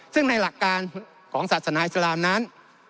ซึ่งในหลักการของศาสนาอิสลามนั้น